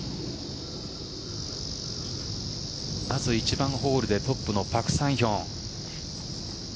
まず１番ホールでトップのパク・サンヒョン。